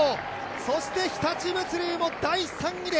そして日立物流も第３位で